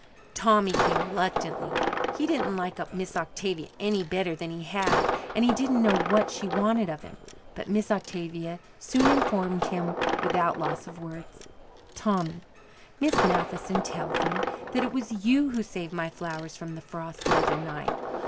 Tommy came reluctantly. He didn't like Miss Octavia any better than he had, and he didn't know what she wanted of him. But Miss Octavia soon informed him without loss of words. "Tommy, Miss Matheson tells me that it was you who saved my flowers from the frost the other night.